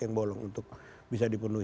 yang bolong untuk bisa dipenuhi